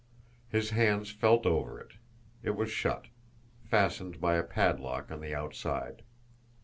His hands felt over it. It was shut, fastened by a padlock on the outside.